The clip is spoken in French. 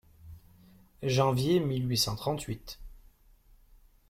Janvier mille huit cent trente-huit.